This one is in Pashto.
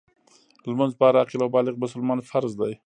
لمونځ په هر عاقل او بالغ مسلمان فرض دی .